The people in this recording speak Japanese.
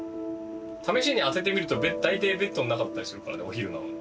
試しに当ててみると大体ベッドの中だったりするからねお昼なのに。